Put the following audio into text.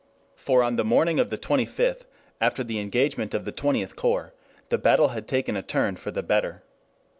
For on the morning of the twenty fifth, after the engagement of the XXth corps, the battle had taken a turn for the better.